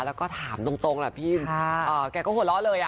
แล้วก็ถามตรงแกก็หัวเราะเลย